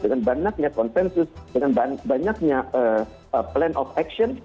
dengan banyaknya konsensus dengan banyaknya plan of action